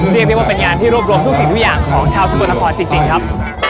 เรียกได้ว่าเป็นงานที่รวบรวมทุกสิ่งทุกอย่างของชาวสกลนครจริงครับ